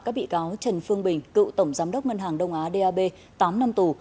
các bị cáo trần phương bình cựu tổng giám đốc ngân hàng đông á dap tám năm tù